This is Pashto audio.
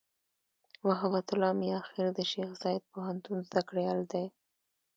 محبت الله "میاخېل" د شیخزاید پوهنتون زدهکړیال دی.